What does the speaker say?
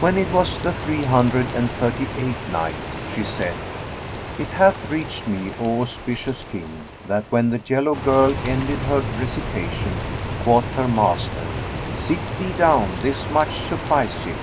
When it was the Three Hundred and Thirty eighth Night, She said, It hath reached me, O auspicious King, that "when the yellow girl ended her recitation, quoth her master, 'Sit thee down; this much sufficeth!'